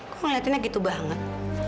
kok ngeliatinnya gitu banget